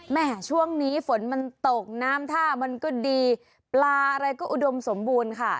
แม่ช่วงนี้ฝนมันตกน้ำท่ามันก็ดีปลาอะไรก็อุดมสมบูรณ์ค่ะ